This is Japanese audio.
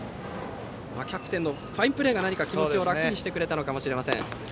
キャプテンのファインプレーが気持ちを楽にしてくれたのかもしれません。